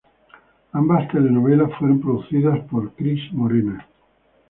Ambas telenovelas fueron producidas por Cris Morena.